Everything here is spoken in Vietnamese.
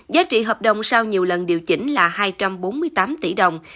giá trị hợp đồng sau nhiều lần điều chỉnh là hai trăm bốn mươi tám tỷ đồng